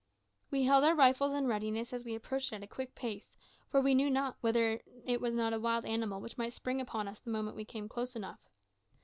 We held our rifles in readiness as we approached it at a quick pace, for we knew not whether it was not a wild animal which might spring upon us the moment we came close enough.